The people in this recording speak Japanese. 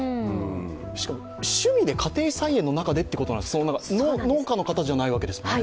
しかも、趣味で、家庭菜園の中でってことなんですよね、農家の方じゃないわけですね？